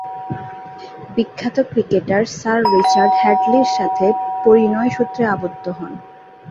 বিখ্যাত cricketer Sir Richard হ্যাডলি’র সাথে পরিণয়সূত্রে আবদ্ধ হন।